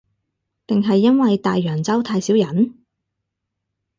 定係因為大洋洲太少人